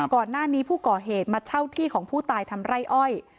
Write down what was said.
ก่อนหน้านี้ผู้ก่อเหตุมาเช่าที่ของผู้ตายทำไร่อ้อย